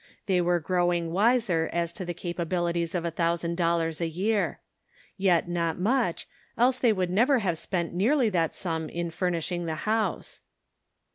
They were growing wiser as to the capabilities of a thou sand dollars a year. Yet not much, else they would never have spent nearly that sum in fur nishing the house.